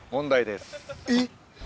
えっ？